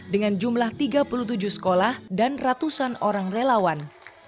dengan jumlah tiga puluh tujuh sekolah dan ratusan orang relawan